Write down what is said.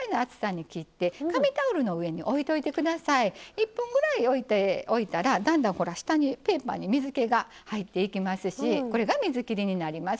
１分ぐらい置いておいたらだんだんほら下にペーパーに水けが入っていきますしこれが水切りになります。